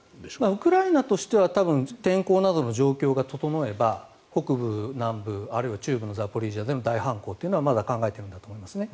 ウクライナとしては天候などの状況が整えば北部、南部、あるいは中部のザポリージャでの大反攻はまだ考えているんだと思いますね。